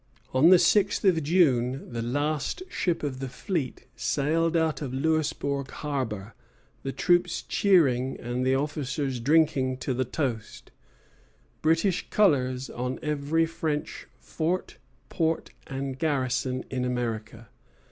On the sixth of June the last ship of the fleet sailed out of Louisbourg harbor, the troops cheering and the officers drinking to the toast, "British colors on every French fort, port, and garrison in America."